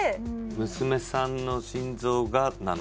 娘さんの心臓がなのか？